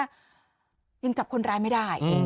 ยังจับคนร้ายไม่ได้